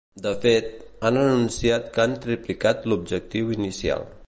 De fet, han anunciat que han triplicat l’objectiu inicial.